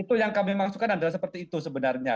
itu yang kami maksudkan adalah seperti itu sebenarnya